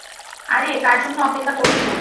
আরে, কার জন্য অপেক্ষা করছো?